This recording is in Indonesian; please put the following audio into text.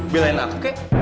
belain aku oke